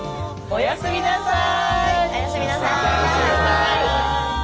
おやすみなさい。